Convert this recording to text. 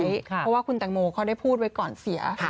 เพราะว่าคุณแตงโมเขาได้พูดไว้ก่อนเสีย